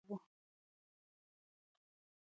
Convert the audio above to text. حمید رحیمي په بوکسینګ کې اتل و.